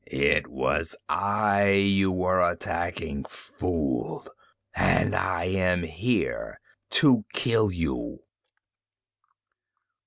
It was I you were attacking, fool, and I am here to kill you."